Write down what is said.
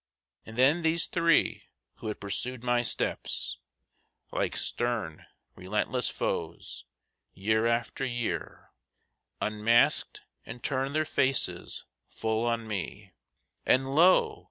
And then these three who had pursued my steps Like stern, relentless foes, year after year, Unmasked, and turned their faces full on me, And lo!